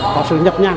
có sự nhập nhằn